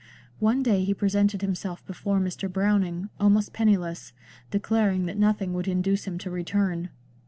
One day he presented himself before Mr. Browning, almost penniless, declaring that nothing would induce him to return.